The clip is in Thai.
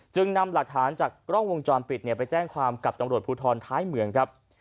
นำหลักฐานจากกล้องวงจรปิดไปแจ้งความกับตำรวจภูทรท้ายเมืองครับ